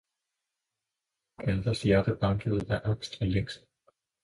Oh, hvor Gerdas hjerte bankede af angst og længsel!